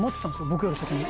僕より先に。